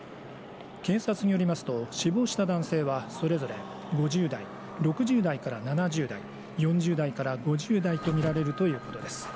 警察によりますと、死亡した男性はそれぞれ５０代、６０代から７０代４０代から５０代とみられるということです。